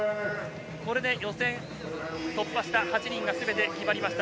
これで予選突破した８人がすべて決まりました。